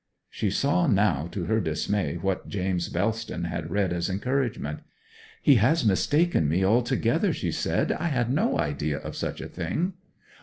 She saw now to her dismay what James Bellston had read as encouragement. 'He has mistaken me altogether,' she said. 'I had no idea of such a thing.'